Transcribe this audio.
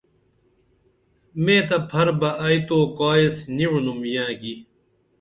میتہ پھر بہ ائی تو کائیس نی وعِنُم یاں کی